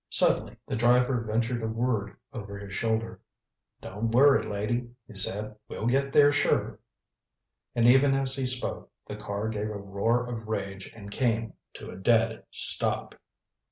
Suddenly the driver ventured a word over his shoulder. "Don't worry, lady," he said. "We'll get there sure." And even as he spoke the car gave a roar of rage and came to a dead stop.